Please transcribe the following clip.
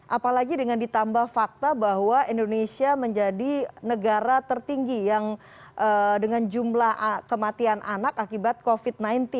apalagi dengan ditambah fakta bahwa indonesia menjadi negara tertinggi yang dengan jumlah kematian anak akibat covid sembilan belas